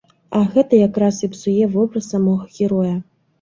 А гэта якраз і псуе вобраз самога героя.